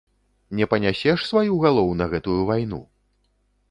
Не панясеш сваю галоў на гэтую вайну?